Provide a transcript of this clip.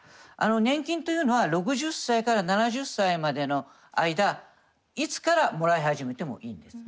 年金というのは６０歳から７０歳までの間いつからもらい始めてもいいんです。